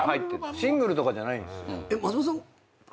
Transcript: シングルとかじゃないんですよ。